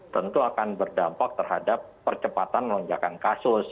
tentu akan berdampak terhadap percepatan lonjakan kasus